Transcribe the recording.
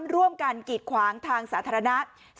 ร่วมกันกีดขวางทางสาธารณะ